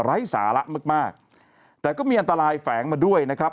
ไร้สาระมากมากแต่ก็มีอันตรายแฝงมาด้วยนะครับ